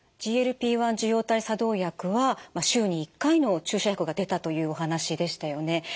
ＧＬＰ−１受容体作動薬は週に１回の注射薬が出たというお話でしたよね。